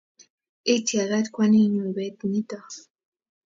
Itiagat kwaninyu pet nitok